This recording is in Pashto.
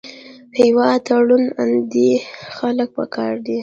هېواد ته روڼ اندي خلک پکار دي